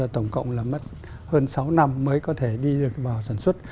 tổng cộng là mất hơn sáu năm mới có thể đi được vào sản xuất